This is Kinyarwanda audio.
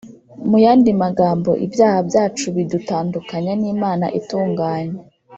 Mu yandi magambo, ibyaha byacu bidutandukanya n'Imana itunganye